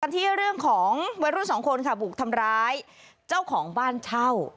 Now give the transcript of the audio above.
ที่เรื่องของวัยรุ่นสองคนค่ะบุกทำร้ายเจ้าของบ้านเช่า